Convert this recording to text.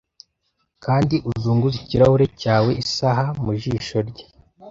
Kandi uzunguze ikirahure cyawe-isaha mu jisho rye,